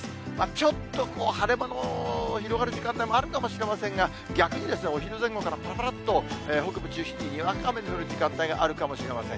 ちょっと晴れ間の広がる時間帯もあるかもしれませんが、逆にお昼前後からぱらぱらっと北部中心ににわか雨の降る時間帯があるかもしれません。